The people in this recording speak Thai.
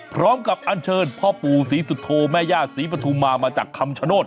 พร้อมกับอันเชิญพ่อปู่ศรีสุโธแม่ย่าศรีปฐุมมามาจากคำชโนธ